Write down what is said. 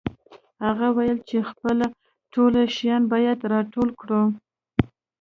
هغه وویل چې خپل ټول شیان باید راټول کړو